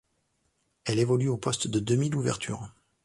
Elle évolue au poste de demi d'ouverture.